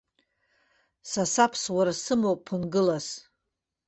Са саԥсуара сымоуп ԥынгылас!